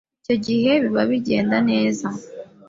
icyo gihe biba bigenda neza